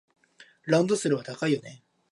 ランドセルは高いよね。